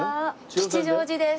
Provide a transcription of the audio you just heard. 吉祥寺です。